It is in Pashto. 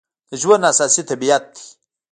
د ژوند اساس طبیعت دی.